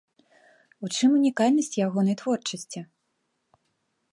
У чым унікальнасць ягонай творчасці?